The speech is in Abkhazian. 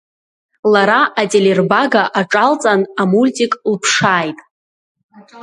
Лара ателербага аҿалҵан, амультик лԥшааит.